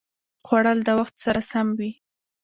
خوړل د وخت سره سم وي